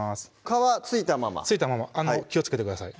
皮付いたまま付いたまま気をつけてください